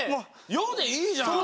「よ」でいいじゃん。